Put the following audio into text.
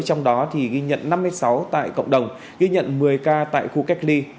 trong đó thì ghi nhận năm mươi sáu ca mắc mới tại cộng đồng ghi nhận một mươi ca mắc mới tại khu cách ly